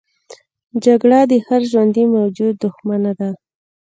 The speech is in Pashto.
جګړه د هر ژوندي موجود دښمنه ده